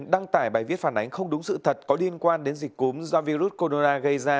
đăng tải bài viết phản ánh không đúng sự thật có liên quan đến dịch cúm do virus corona gây ra